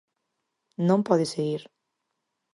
Non pode seguir.